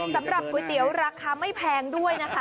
สำหรับก๋วยเตี๋ยวราคาไม่แพงด้วยนะคะ